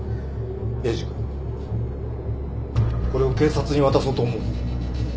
エイジ君これを警察に渡そうと思う